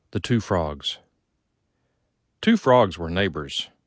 THE TWO FROGS Two Frogs were neighbours.